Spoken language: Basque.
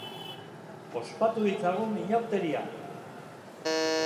Ospatu ditzagun inauteriak!